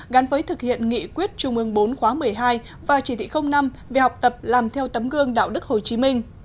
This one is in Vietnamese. gắn với thực hiện nghị quyết trung ương bốn khóa một mươi hai và chỉ thị năm về học tập làm theo tấm gương đạo đức hồ chí minh